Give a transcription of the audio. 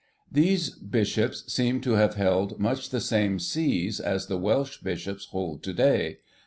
These Bishops seem to have held much the same Sees as the Welsh Bishops hold to day.